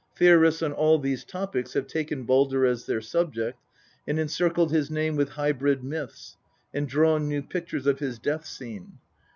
Theorists on all these topics have taken Baldr as trheir subject and encircled his name with hybrid myths, and drawn new pictures of his death scene.